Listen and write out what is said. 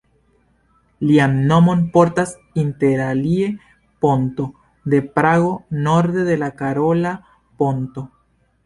Lian nomon portas interalie ponto en Prago, norde de la Karola Ponto.